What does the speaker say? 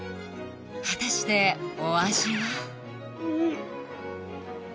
果たしてお味は？